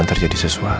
tidur lagi ya